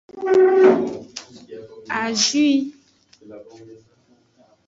Azwi.